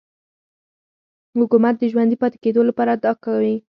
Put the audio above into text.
حکومت د ژوندي پاتې کېدو لپاره دا کوي.